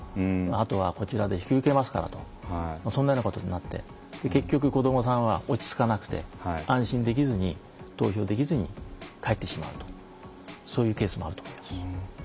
あとはこちらで引き受けますからとそんなようなことになって結局子どもさんは落ち着かなくて安心できずに投票できずに帰ってしまうとそういうケースもあると思います。